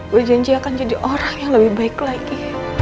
gue janji akan jadi orang yang lebih baik lagi